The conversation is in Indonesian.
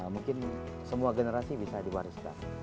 mungkin semua generasi bisa diwariskan